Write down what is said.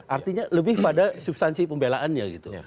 artinya lebih pada substansi pembelaannya gitu